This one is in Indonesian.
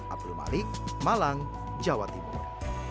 abdul malik malang jawa timur